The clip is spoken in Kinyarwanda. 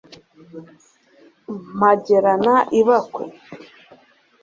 Mpagerana ibakwe